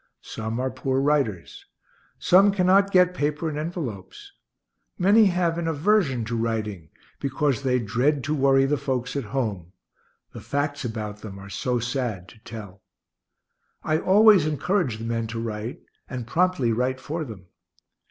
Some are poor writers; some cannot get paper and envelopes; many have an aversion to writing, because they dread to worry the folks at home the facts about them are so sad to tell. I always encourage the men to write, and promptly write for them.